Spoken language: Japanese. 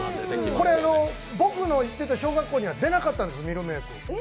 これ、僕の行ってた小学校には出なかったんです、ミルメーク。